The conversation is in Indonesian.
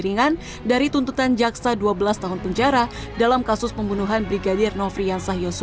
ringan dari tuntutan jaksa dua belas tahun penjara dalam kasus pembunuhan brigadir nofriansah yosua